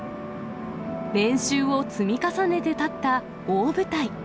練習を積み重ねて立った大舞台。